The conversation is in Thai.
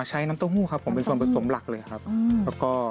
ใช้น้ำเต้าหู้ครับเป็นส่วนผสมหลักเลยครับ